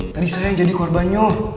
tadi saya yang jadi korbannya